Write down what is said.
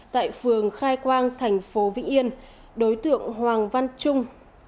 tại phường khai quang thành phố vĩnh yên đối tượng hoàng văn trung